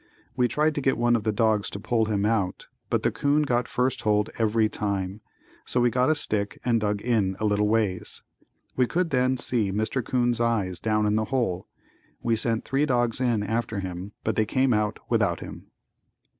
We tried to get one of the dogs to pull him out but the 'coon got first hold every time, so we got a stick and dug in a little ways. We could then see Mr. 'Coon's eyes down in the hole. We sent three dogs in after him but they came out without him.